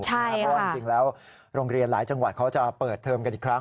เพราะว่าจริงแล้วโรงเรียนหลายจังหวัดเขาจะเปิดเทอมกันอีกครั้ง